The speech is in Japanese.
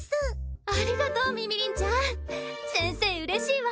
ありがとうみみりんちゃん先生うれしいわ。